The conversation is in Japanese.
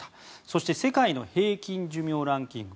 そして世界の平均寿命ランキング。